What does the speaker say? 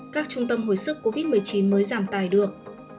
các trung tâm hồi sức covid một mươi chín mới giảm tài được